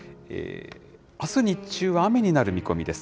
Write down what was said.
あす日中は雨になる見込みです。